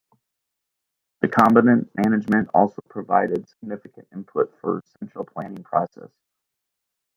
The "Kombinat" management also provided significant input for the central planning process.